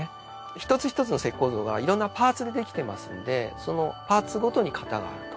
一つ一つの石膏像がいろんなパーツで出来てますのでそのパーツごとに型があると。